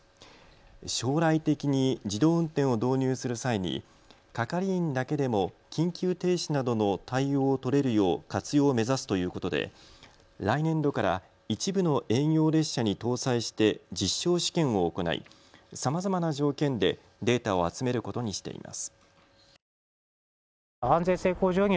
将来的に自動運転を導入する際に係員だけでも緊急停止などの対応を取れるよう活用を目指すということで来年度から一部の営業列車に搭載して実証試験を行いさまざまな条件でデータを集めることにしています。